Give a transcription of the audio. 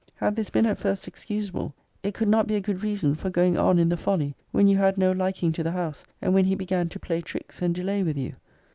Had this been at first excusable, it could not be a good reason for going on in the folly, when you had no liking to the >>> house, and when he began to play tricks, and delay with you.